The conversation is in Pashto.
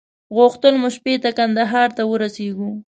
غوښتل مو شپې ته کندهار ته ورسېږو.